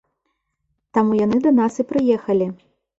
Таму яны да нас і прыехалі.